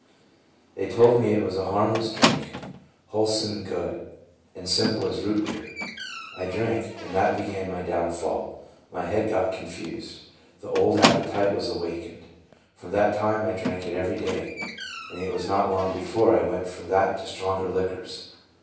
They told me it was a harmless drink, wholesome and good, and simple as root beer. I drank, and that began my down fall. My head got confused. The old appe tite was awakened. From that time I drank it every day, and it was not long before I went from that to stronger liquors.